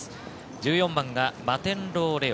１４番がマテンロウレオ。